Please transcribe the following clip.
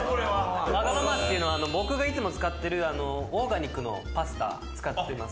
わがままっていうのは僕がいつも使ってるオーガニックのパスタ使ってます。